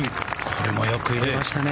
これもよく入れましたね。